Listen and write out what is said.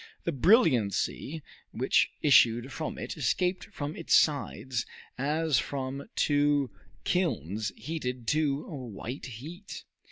The brilliancy which issued from it escaped from its sides as from two kilns heated to a white heat.